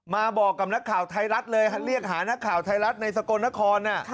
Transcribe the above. มาบอกกับนักข่าวไทยรัฐเลยเรียกหานักข่าวไทยรัฐในสกลนคร